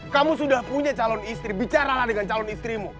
kamu sudah punya calon istri bicaralah dengan calon istrimu